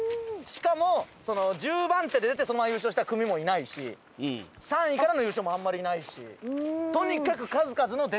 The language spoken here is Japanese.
しかも１０番手で出てそのまま優勝した組もいないし３位からの優勝もあんまりいないし。